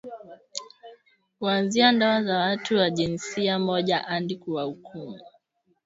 kuanzia ndoa za watu wa jinsia moja hadi kuwahukumu